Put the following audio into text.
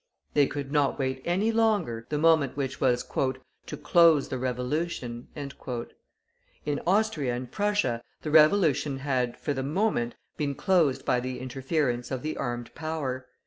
They could not wait any longer the moment which was "to close the Revolution." In Austria and Prussia the Revolution had, for the moment, been closed by the interference of the armed power.